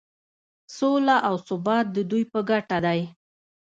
سوله او ثبات د دوی په ګټه دی.